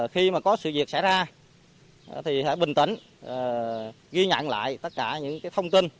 khi có sự diệt xảy ra thì hãy bình tĩnh ghi nhận lại tất cả những thông tin